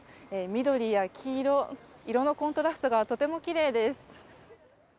緑や黄色、色のコントラストがとてもきれいです。